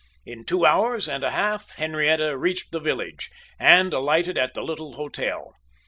In two hours and a half Henrietta reached the village, and alighted at the little hotel.